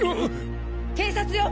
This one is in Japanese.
警察よ！